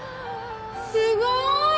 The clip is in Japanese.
すごい！